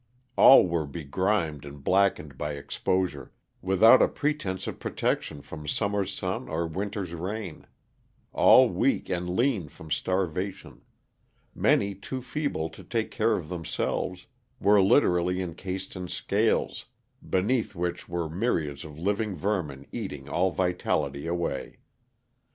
All were begrimed and blackened by exposure, without a pretense of protection from summer's sun or winter's rain; all weak and lean from starvation; many, too feeble to take care of themselves, were literally encased in scales, beneath which were myriads of living vermin eating all vitality away.